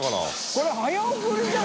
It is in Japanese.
これ。